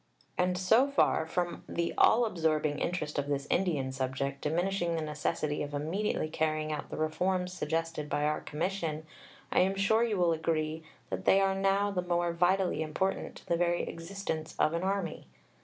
And so far from the all absorbing interest of this Indian subject diminishing the necessity of immediately carrying out the reforms suggested by our Commission, I am sure you will agree that they are now the more vitally important to the very existence of an army.